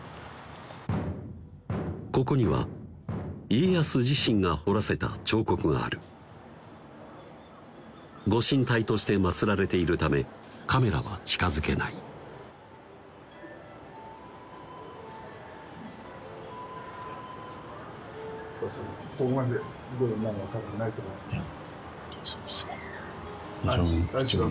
ここには家康自身が彫らせた彫刻がある御神体として祭られているためカメラは近づけないいや